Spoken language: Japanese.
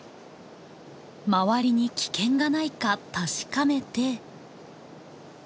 周りに危険がないか確かめて。